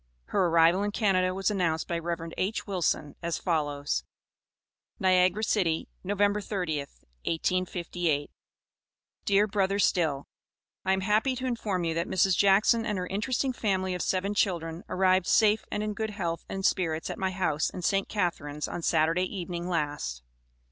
Her arrival in Canada was announced by Rev. H. Wilson as follows: NIAGARA CITY, Nov. 30th, 1858. DEAR BRO. STILL: I am happy to inform you that Mrs. Jackson and her interesting family of seven children arrived safe and in good health and spirits at my house in St. Catharines, on Saturday evening last.